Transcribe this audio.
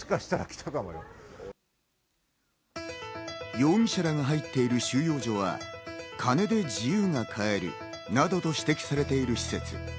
容疑者らが入っている収容所は金で自由が買えるなどと指摘されている施設。